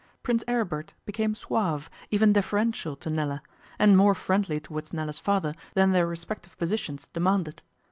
Prince Aribert became suave, even deferential to Nella, and more friendly towards Nella's father than their respective positions demanded.